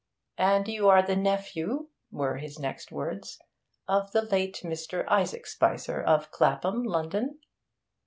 "And you are the nephew," were his next words, "of the late Mr. Isaac Spicer, of Clapham, London?"